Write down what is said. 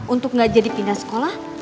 untuk gak jadi pindah sekolah